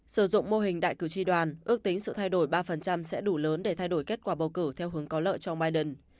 sử dụng mô hình đại cử tri đoàn ước tính sự thay đổi ba sẽ đủ lớn để thay đổi kết quả bầu cử theo hướng có lợi cho biden